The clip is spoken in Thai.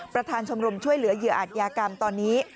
ประธานชมรมช่วยเหลือเหยื่ออาจยากรรมตอนนี้